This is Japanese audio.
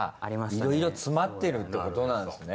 いろいろ詰まってるってことなんすね。